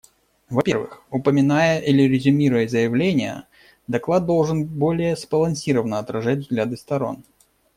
Во-первых, упоминая или резюмируя заявления, доклад должен более сбалансировано отражать взгляды сторон.